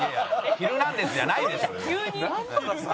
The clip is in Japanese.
『ヒルナンデス！』じゃないでしょうよ。